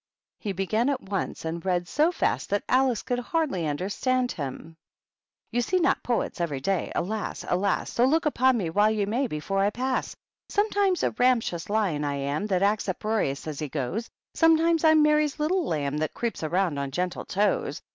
He began at once, and read so fast that Alice could hardly understand him. 178 THE BISHOPS. "F^ see not Poets every day; Alas! alas I So look upon me while ye may^ Before I pa^sl Sometimes a ramptious lAon I am. That QjCts uproarious as he goes; Sometimes Fm Mary^s little Lamh^ That creeps around on gentle toes.